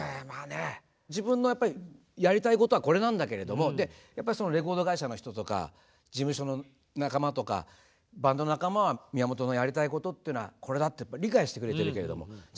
自分のやっぱりやりたいことはこれなんだけれどもやっぱりそのレコード会社の人とか事務所の仲間とかバンド仲間は宮本のやりたいことっていうのはこれだって理解してくれているけれどもじゃ